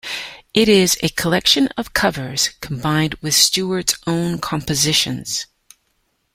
It is a collection of covers combined with Stewart's own compositions.